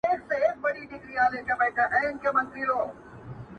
څوك به تاو كړي د بابا بګړۍ له سره٫